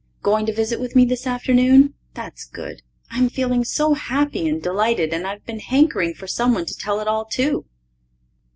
Going to visit with me this afternoon? That's good. I'm feeling so happy and delighted and I've been hankering for someone to tell it all to.